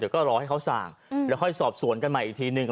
เดี๋ยวก็รอให้เขาสั่งแล้วค่อยสอบสวนกันใหม่อีกทีนึง